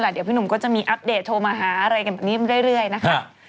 เดี๋ยวพี่หนุ่มก็จะมีอัปเดตโทรมาหาอะไรกันแบบนี้เรื่อยนะคะ